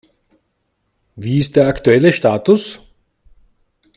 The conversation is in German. Wie ist der aktuelle Status?